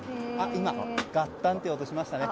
今、ガッタンという音しましたね。